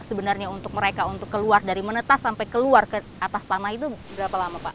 sebenarnya untuk mereka untuk keluar dari menetas sampai keluar ke atas tanah itu berapa lama pak